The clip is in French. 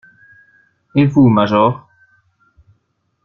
Et vous, major?